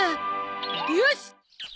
よし！